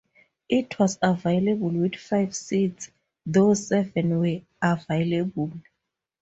It was available with five seats, though seven were available.